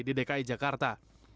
di dki jakarta